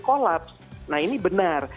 kolaps nah ini benar